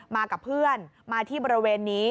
มากับเพื่อนมาที่บริเวณนี้